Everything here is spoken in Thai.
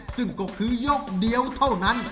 ซึ่งก็คือยกเดียวเท่านั้น